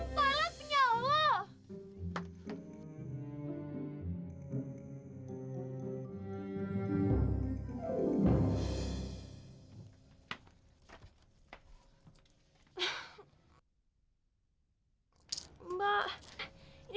cari makan tuh susah ya